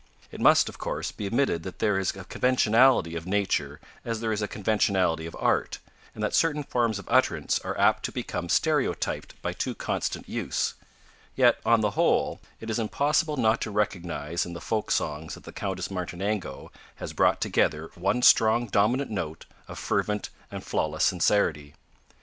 It must, of course, be admitted that there is a conventionality of nature as there is a conventionality of art, and that certain forms of utterance are apt to become stereotyped by too constant use; yet, on the whole, it is impossible not to recognise in the Folk songs that the Countess Martinengo has brought together one strong dominant note of fervent and flawless sincerity.